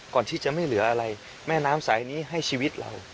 ก่อนที่จะไม่เหลืออะไรแม่น้ำสายนี้ให้ชีวิตเรา